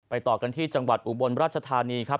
ต่อกันที่จังหวัดอุบลราชธานีครับ